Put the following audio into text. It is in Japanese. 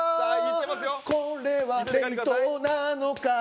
「これは冷凍なのか？